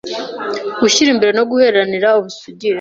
gushyire imbere no guherenire ubusugire,